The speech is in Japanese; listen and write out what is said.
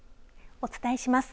お伝えします。